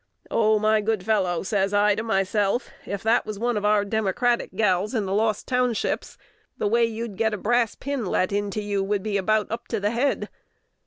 'O my good fellow!' says I to myself, 'if that was one of our Democratic gals in the Lost Townships, the way you'd get a brass pin let into you, would be about up to the head.'